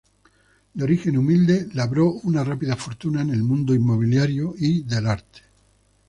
De origen humilde, labró una rápida fortuna en el mundo inmobiliario y del arte.